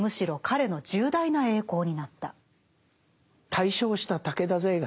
大勝した武田勢がね